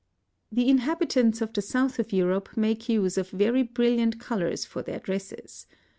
The inhabitants of the south of Europe make use of very brilliant colours for their dresses.